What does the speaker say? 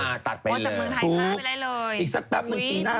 อีกสักแปบหนึ่งปีหน้า